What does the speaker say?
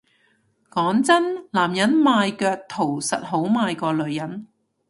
講真男人賣腳圖實好賣過女人